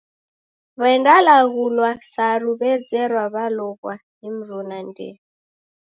W'endalaghulwa saru w'ezerwa w'aloghwa ni mruna ndee.